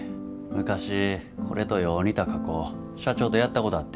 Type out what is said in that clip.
昔これとよう似た加工社長とやったことあって。